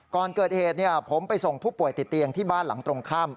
ก่อนเกิดเหตุผมไปส่งผู้ป่วยติดเตียงที่บ้านหลังตรงข้าม